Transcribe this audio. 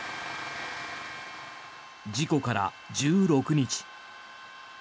事故から１６日。